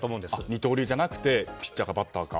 二刀流じゃなくてピッチャーかバッターか。